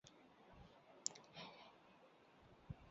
每次访问网页时都可能会发生客户端网页软件更新。